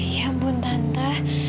ya ampun tante